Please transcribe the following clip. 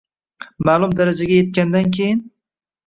ma’lum darajaga yetgandan keyin